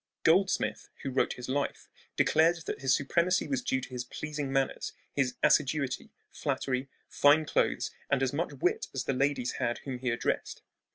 Goldsmith, who wrote his life, declared that his supremacy was due to his pleasing manners, "his assiduity, flattery, fine clothes, and as much wit as the ladies had whom he addressed."